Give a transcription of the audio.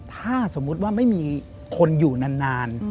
ถ้าสมมุติว่าไม่มีคนอยู่นาน